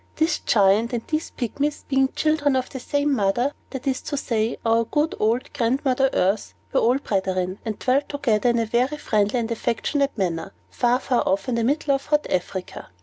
This Giant and these Pygmies being children of the same mother (that is to say, our good old Grandmother Earth), were all brethren, and dwelt together in a very friendly and affectionate manner, far, far off, in the middle of hot Africa.